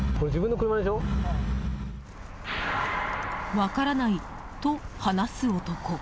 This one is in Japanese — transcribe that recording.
分からないと話す男。